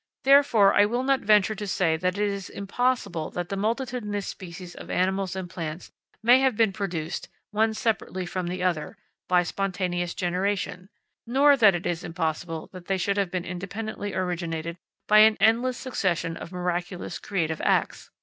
Therefore I will not venture to say that it is impossible that the multitudinous species of animals and plants may have been produced, one separately from the other, by spontaneous generation; nor that it is impossible that they should have been independently originated by an endless succession of miraculous creative acts.